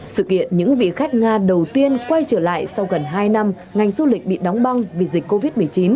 sự kiện những vị khách nga đầu tiên quay trở lại sau gần hai năm ngành du lịch bị đóng băng vì dịch covid một mươi chín